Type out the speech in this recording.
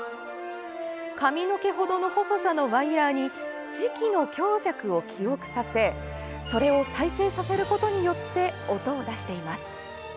髪の毛ほどの細さのワイヤーに磁気の強弱を記憶させそれを再生させることによって音を出しています。